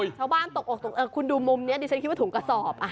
โอ๊ยชาวบ้านตกออกคุณดูมุมนี้ดิฉันคิดว่าถุงกระสอบ